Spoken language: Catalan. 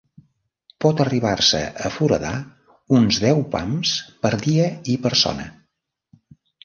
Pot arribar-se a foradar uns deu pams per dia i persona.